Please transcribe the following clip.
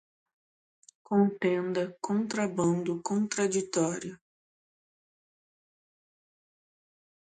contenda, contrabando, contraditório